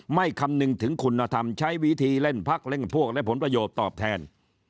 คำนึงถึงคุณธรรมใช้วิธีเล่นพักเล่นพวกและผลประโยชน์ตอบแทน